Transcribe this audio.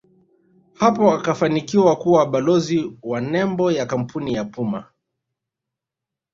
hapo akafanikiwa kuwa balozi wa nembo ya kampuni ya Puma